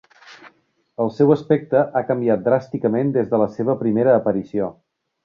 El seu aspecte ha canviat dràsticament des de la seva primera aparició.